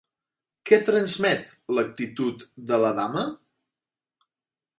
Què transmet l'actitud de la dama?